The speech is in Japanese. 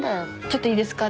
ちょっといいですか？